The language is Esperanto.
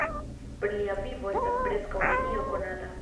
Pri lia vivo estas preskaŭ nenio konata.